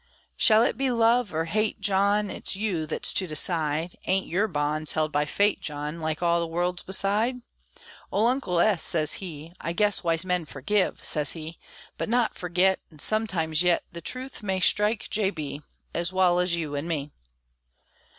Shall it be love, or hate, John? It's you thet's to decide; Ain't your bonds held by Fate, John, Like all the world's beside? Ole Uncle S. sez he, "I guess Wise men forgive," sez he, "But not forgit; an' some time yit Thet truth may strike J. B., Ez wal ez you an' me!"